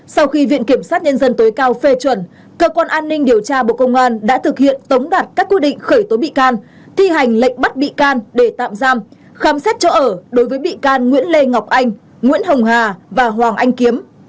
sau khi viện kiểm sát nhân dân tối cao phê chuẩn cơ quan an ninh điều tra bộ công an đã thực hiện tống đặt các quy định khởi tố bị can thi hành lệnh bắt bị can để tạm giam khám xét chỗ ở đối với bị can nguyễn lê ngọc anh nguyễn hồng hà và hoàng anh kiếm